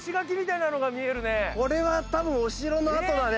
これはたぶんお城の跡だね。